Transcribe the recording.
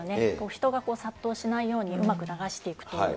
人が殺到しないようにうまく流していくという。